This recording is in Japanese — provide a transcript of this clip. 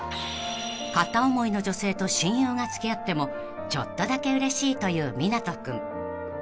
［片思いの女性と親友が付き合ってもちょっとだけうれしいという湊斗君］